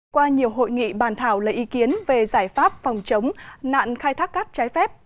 qua nhiều hội nghị bàn thảo lấy ý kiến về giải pháp phòng chống nạn khai thác cát trái phép